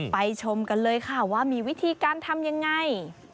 ชมกันเลยค่ะว่ามีวิธีการทำยังไง